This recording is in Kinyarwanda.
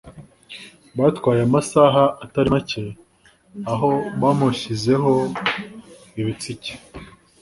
byatwaye amasaha atari make aho bamushyizeho ibitsike